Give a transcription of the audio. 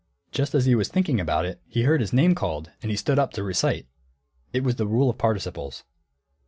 Just as he was thinking about it, he heard his name called, and he stood up to recite. It was the rule of participles.